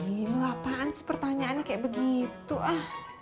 dulu apaan sih pertanyaannya kayak begitu ah